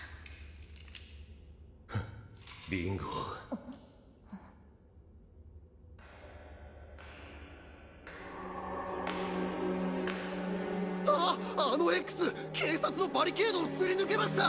ああっあのＸ警察のバリケードをすり抜けました！